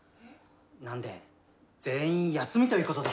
なんで全員休みということで。